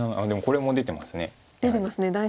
でもこれも出てますね。